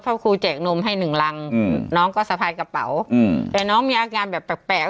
ครูแจกนมให้หนึ่งรังอืมน้องก็สะพายกระเป๋าอืมแต่น้องมีอาการแบบแปลกแปลก